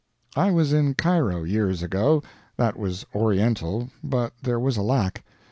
I was in Cairo years ago. That was Oriental, but there was a lack.